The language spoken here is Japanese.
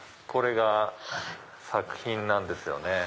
これが作品なんですよね。